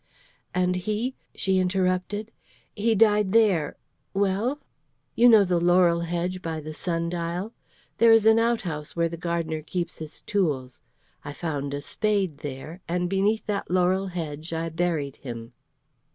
"And he?" she interrupted, "he died there. Well?" "You know the laurel hedge by the sun dial? There is an out house where the gardener keeps his tools. I found a spade there, and beneath that laurel hedge I buried him."